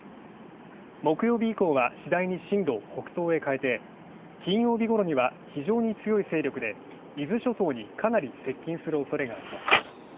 木曜日以降は次第に進路を北東へかえて金曜日ごろには非常に強い勢力で伊豆諸島にかなり接近する恐れがあります。